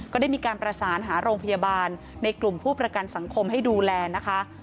ก็ได้มีการประสานหาโรงพยาบาลในกลุ่มผู้ประกันสังคมให้ดูแลนะคะ